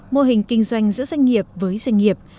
mô hình kinh doanh giữa doanh nghiệp với doanh nghiệp